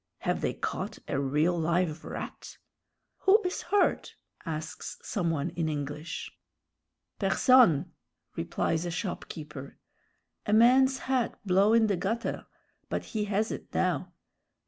"Have they caught a real live rat?" "Who is hurt?" asks some one in English. "Personne," replies a shopkeeper; "a man's hat blow' in the gutter; but he has it now.